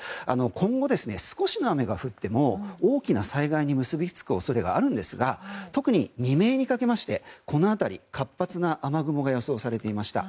今後、少しの雨が降っても大きな災害に結び付く恐れがあるんですが特に未明にかけましてこの辺り活発な雨雲が予想されていました。